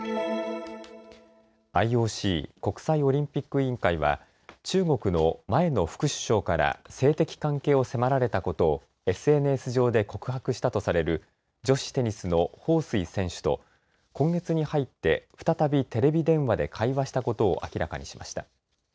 ＩＯＣ・国際オリンピック委員会は中国の前の副首相から性的関係を迫られたことをＳＮＳ上で告白したとされる女子テニスの彭帥選手と今月に入って再びテレビ電話で会話したことを明らかにしました。